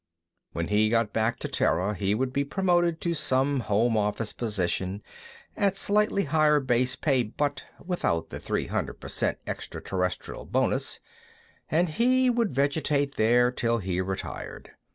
When he got back to Terra, he would be promoted to some home office position at slightly higher base pay but without the three hundred per cent extraterrestrial bonus, and he would vegetate there till he retired.